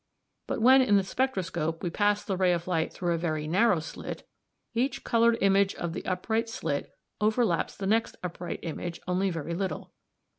But when in the spectroscope we pass the ray of light through a very narrow slit, each coloured image of the upright slit overlaps the next upright image only very little.